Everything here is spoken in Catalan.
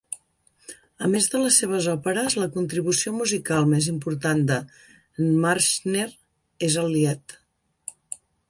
A més de les seves òperes, la contribució musical més important de"n Marschner és el Lied.